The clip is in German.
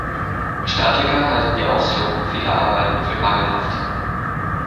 Statiker halten die Ausführung vieler Arbeiten für „mangelhaft“.